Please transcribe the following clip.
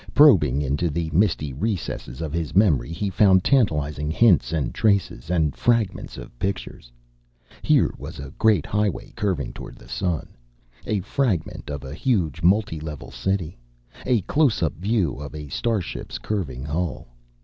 Probing into the misty recesses of his memory, he found tantalizing hints and traces, and fragments of pictures. Here was a great highway curving toward the sun; a fragment of a huge, multi level city; a closeup view of a starship's curving hull.